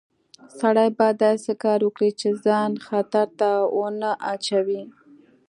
سړی باید داسې کار وکړي چې ځان خطر ته ونه اچوي